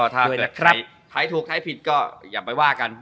ถ้าแดดให้ถูกให้ผิดก็อย่าไปว่ากัน